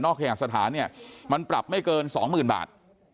นอกแข่งสถานเนี่ยมันปรับไม่เกินสองหมื่นบาท